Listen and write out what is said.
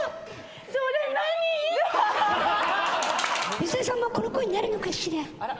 水谷さんもこの声になるのかしら？